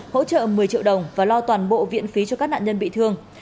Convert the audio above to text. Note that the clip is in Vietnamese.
hỗ trợ một mươi triệu đồng và lo toàn bộ viện phí cho các nạn nhân bị thương